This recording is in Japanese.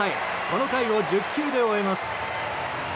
この回を１０球で終えます。